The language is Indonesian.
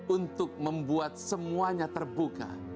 untuk membuat semuanya terbuka